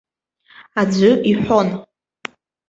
Аӡәы иҳәон.